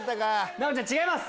奈央ちゃん違います。